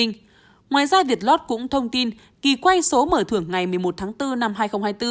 ngoài ra việt lot cũng thông tin kỳ quay số mở thưởng ngày một mươi một tháng bốn năm hai nghìn hai mươi bốn